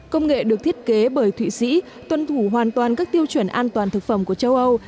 công nghệ được thiết kế bởi thụy sĩ tuân thủ hoàn toàn các tiêu chuẩn an toàn thực phẩm của châu âu